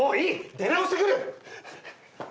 出直してくる。